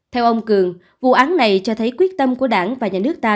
theo ông cường vụ án này cho thấy quyết tâm của đảng và nhà nước ta